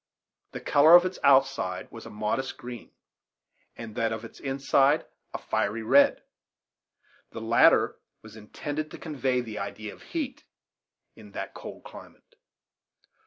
The color of its outside was a modest green, and that of its inside a fiery red, The latter was intended to convey the idea of heat in that cold climate.